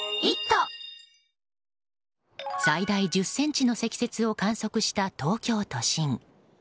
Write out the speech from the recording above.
最大１０ｃｍの積雪を観測した東京都心。